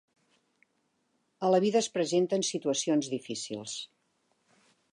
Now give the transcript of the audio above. A la vida es presenten situacions difícils.